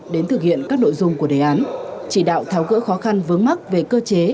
đến thực hiện các nội dung của đề án chỉ đạo tháo gỡ khó khăn vướng mắt về cơ chế